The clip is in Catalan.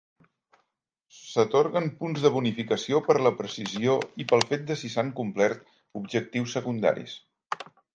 S'atorguen punts de bonificació per la precisió i pel fet de si s'han complert objectius secundaris.